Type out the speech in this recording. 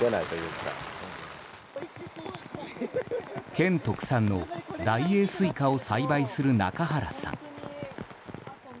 県特産の大栄西瓜を栽培する中原さん。